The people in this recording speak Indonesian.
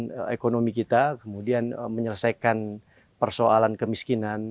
kemudian ekonomi kita kemudian menyelesaikan persoalan kemiskinan